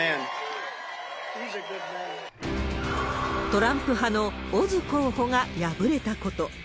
トランプ派のオズ候補が敗れたこと。